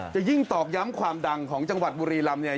จะยิ่งตอกย้ำความดังของจังหวัดบุรีรำเนี่ย